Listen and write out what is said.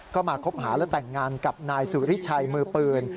ก็มาคบหาและแต่งงานกับนายสุริชัยมือปืน